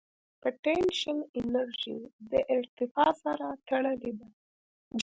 پټنشل انرژي د ارتفاع سره تړلې ده.